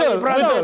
kalah pssi kita